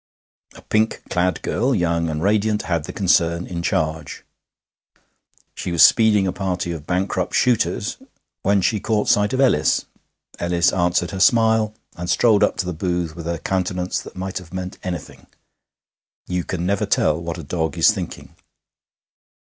A pink clad girl, young and radiant, had the concern in charge. She was speeding a party of bankrupt shooters, when she caught sight of Ellis. Ellis answered her smile, and strolled up to the booth with a countenance that might have meant anything. You can never tell what a dog is thinking.